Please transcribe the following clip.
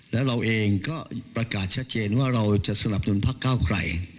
แล้วเราเองก็ประกาศชัดเจนว่าเราจะสนับหนุนพักเก้าไกล